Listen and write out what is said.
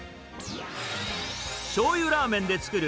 しょうゆラーメンで作る！